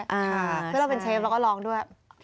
เพื่อนเราเป็นเชฟเราก็ร้องด้วย